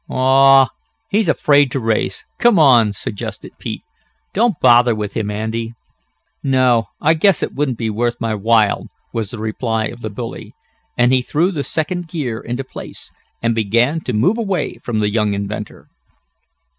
"Aw, he's afraid to race; come on," suggested Pete. "Don't bother with him, Andy." "No, I guess it wouldn't be worth my while," was the reply of the bully, and he threw the second gear into place, and began to move away from the young inventor.